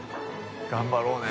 頑張ろうね」